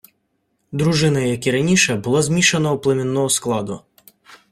Дружина, як і раніше, була змішаного племінного складу